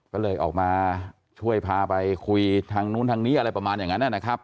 ก็เลยออกมาช่วยพาไปคุยทางนู้นทางนี้อะไรประมาณอย่างนั้นนะครับ